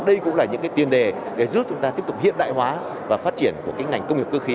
đây cũng là những tiền đề để giúp chúng ta tiếp tục hiện đại hóa và phát triển của cái ngành công nghiệp cơ khí